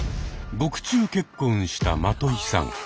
獄中結婚したマトイさん。